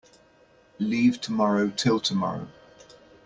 Leave tomorrow till tomorrow.